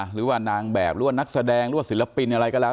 หรือว่านางแบบหรือว่านักแสดงหรือว่าศิลปินอะไรก็แล้ว